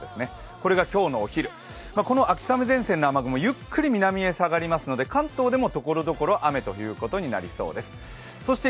これが今日のお昼、この秋雨前線の雨雲、ゆっくり南へ下がりますので関東でも、ところどころ雨ということになりそうです。